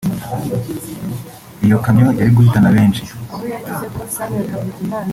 iyo kamyo yari guhitana benshi